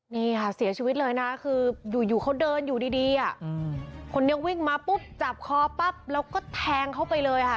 นี่ค่ะเสียชีวิตเลยนะคืออยู่เขาเดินอยู่ดีคนนี้วิ่งมาปุ๊บจับคอปั๊บแล้วก็แทงเขาไปเลยค่ะ